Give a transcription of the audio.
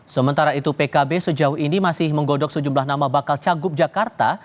sementara itu pkb sejauh ini masih menggodok sejumlah nama bakal cagup jakarta